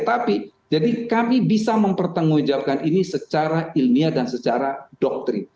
tapi jadi kami bisa mempertanggungjawabkan ini secara ilmiah dan secara doktrin